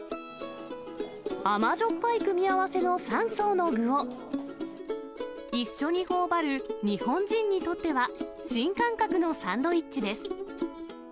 甘じょっぱい組み合わせの３層の具を、一緒にほおばる日本人にとっては新感覚のサンドイッチです。